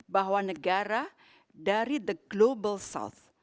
bahwa negara dari the global south